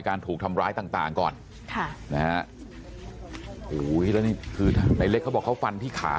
การถูกทำร้ายต่างก่อนค่ะแล้วนี่คือในเล็กเขาบอกเขาฟันที่ขา